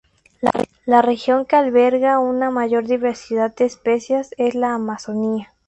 La región que alberga una mayor diversidad de especies es la Amazonía.